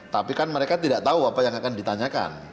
tapi kan mereka tidak tahu apa yang akan ditanyakan